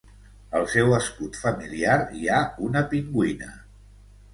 Al seu escut familiar hi ha una pingüina.